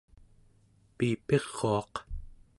piipiruaq